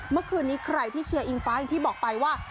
เมื่อคืนนี้ใครที่เชียร์อิงฟ้าอย่างที่บอกไปว่า